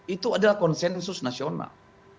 itu adalah konsensus nasional